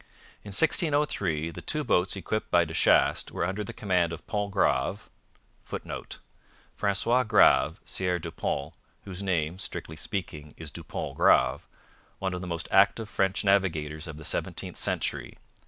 In 1603 the two boats equipped by De Chastes were under the command of Pontgrave [Footnote: Francois Grave, Sieur du Pont, whose name, strictly speaking, is Dupont Grave, one of the most active French navigators of the seventeenth century.